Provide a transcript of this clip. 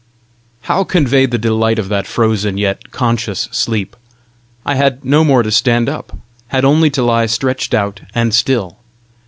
How convey the delight of that frozen, yet conscious sleep! I had no more to stand up! had only to lie stretched out and still!